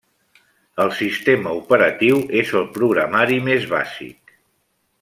El sistema operatiu és el programari més bàsic.